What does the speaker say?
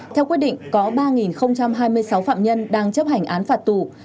theo quyết định có ba hai mươi sáu phạm nhân đang chấp hành án phạt tù